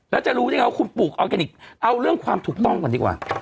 แล้วจะรู้ได้ไงว่าคุณปลูกออร์แกนิคเอาเรื่องความถูกต้องก่อนดีกว่า